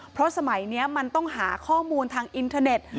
เพราะสมัยนี้มันต้องหาข้อมูลทางอินเทอร์เน็ต